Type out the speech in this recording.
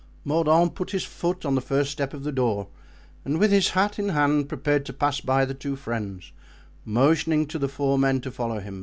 Mordaunt put his foot on the first step of the door and, with his hat in hand, prepared to pass by the two friends, motioning to the four men to follow him.